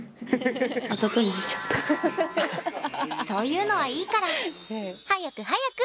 そういうのはいいから早く早く！